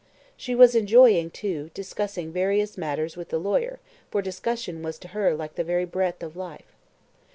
She was enjoying, too, discussing various matters with the lawyer, for discussion was to her like the very breath of life.